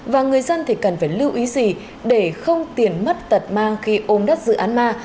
và người dân thì cần phải lưu ý gì để không tiền mất tật mang khi ôm đất dự án ma